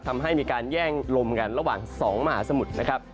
ทำให้มีการแย่งลมกันระหว่าง๒มหาสมุทรนะครับ